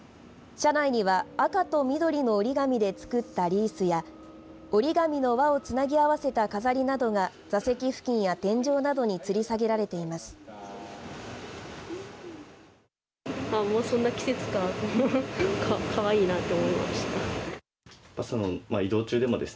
車内には赤と緑の折り紙で作ったリースや折り紙の輪をつなぎ合わせた飾りなどが座席付近や天井などにつり下げられています。